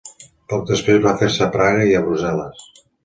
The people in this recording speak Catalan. Poc després va fer-se a Praga i Brussel·les.